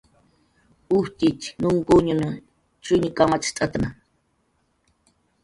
Ujtxitx nunkuñn chuñ kamacht'atna